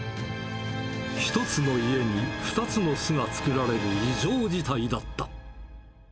１つの家に２つの巣が作られる異常事態だった。